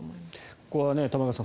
ここは玉川さん